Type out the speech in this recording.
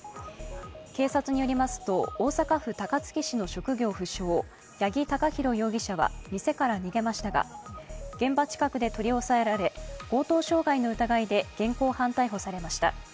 警察によりますと大阪府高槻市の職業不詳、八木貴寛容疑者は店から逃げましたが現場近くで取り押さえられ強盗傷害の疑いで現行犯逮捕されました。